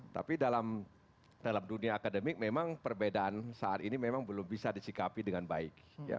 tapi dalam dunia akademik memang perbedaan saat ini memang belum bisa disikapi dengan baik